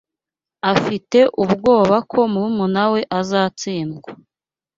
Afite ubwoba ko murumuna we azatsindwa.